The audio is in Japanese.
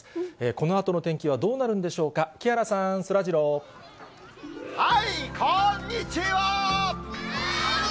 このあとの天気はどうなるんでしょうか、木原さん、こんにちはー！